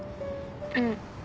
うん。